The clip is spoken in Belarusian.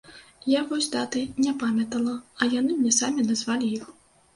Я вось даты не памятала, а яны мне самі назвалі іх.